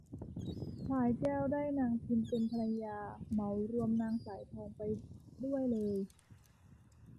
พลายแก้วได้นางพิมเป็นภรรยา เหมารวมนางสายทองไปด้วยเลย